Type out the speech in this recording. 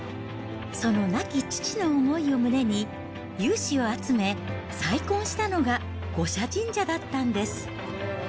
その亡き父の思いを胸に、有志を集め、再建したのが五社神社だったんです。